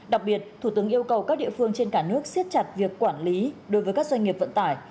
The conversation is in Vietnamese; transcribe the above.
đặc biệt thủ tướng yêu cầu các địa phương trên cả nước siết chặt việc quản lý đối với các doanh nghiệp vận tải